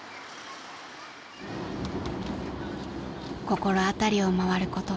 ［心当たりを回ること